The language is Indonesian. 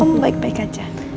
oma baik baik aja